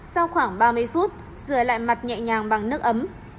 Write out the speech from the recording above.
sau khoảng ba mươi phút dừa lại mặt nhẹ nhàng bằng nước ấm